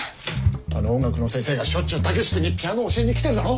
あの音楽の先生がしょっちゅう武志君にピアノを教えに来てるだろ。